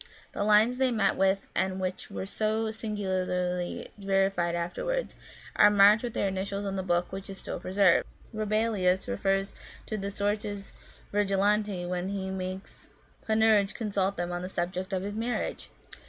The lines they met with and which were so singularly verified afterwards, are marked with their initials in the book, which is still preserved, Rabelais refers to the Sortes Virgilianae when he makes Panurge consult them on the subject of his marriage.